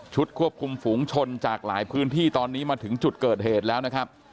ควบคุมฝูงชนจากหลายพื้นที่ตอนนี้มาถึงจุดเกิดเหตุแล้วนะครับ